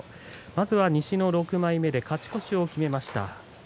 まずは西の６枚目勝ち越しを決めました。